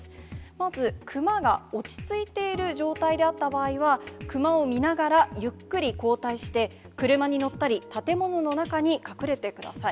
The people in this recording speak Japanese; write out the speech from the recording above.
まずクマが落ち着いている状態であった場合は、クマを見ながらゆっくり後退して、車に乗ったり、建物の中に隠れてください。